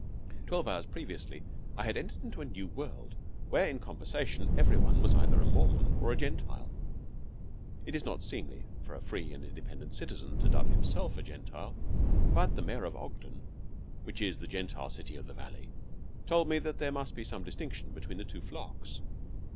Twelve hours previously I had entered into a new world where, in conversation, every one was either a Mormon or a Gentile. It is not seemly for a free and independent citizen to dub himself a Gentile, but the Mayor of Ogden which is the Gentile city of the valley told me that there must be some distinction between the two flocks.